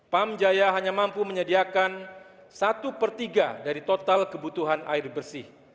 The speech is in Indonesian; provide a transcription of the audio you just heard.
pam jaya hanya mampu menyediakan satu per tiga dari total kebutuhan air bersih